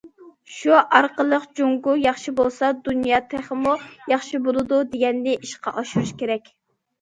شۇ ئارقىلىق،« جۇڭگو ياخشى بولسا، دۇنيا تېخىمۇ ياخشى بولىدۇ.» دېگەننى ئىشقا ئاشۇرۇش كېرەك.